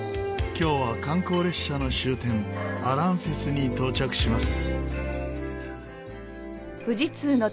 今日は観光列車の終点アランフェスに到着します。